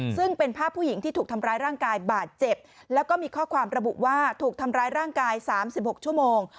ซึ่งเป็นภาพผู้หญิงที่ถูกทำร้ายร่างกายบาดเจ็บแล้วก็มีข้อความระบุว่าถูกทำร้ายร่างกาย๓๖ชั่วโมง